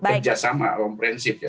kerjasama on prinsip ya